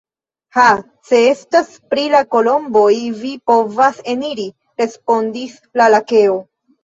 Ha! se estas pri la kolomboj vi povas eniri, respondis la lakeo.